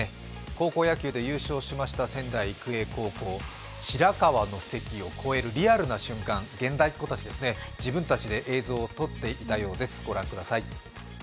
高校野球で優勝しました仙台育英高校、白河の関を越えるリアルな瞬間、現代っ子たち、自分たちで映像を撮っていたようです。